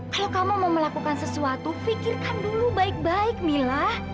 kalau kamu mau melakukan sesuatu pikirkan dulu baik baik mila